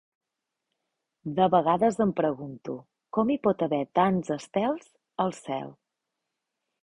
De vegades em pregunto com hi pot haver tants estels al cel.